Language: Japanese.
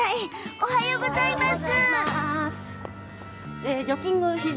おはようございます。